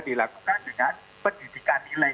dilakukan dengan pendidikan nilai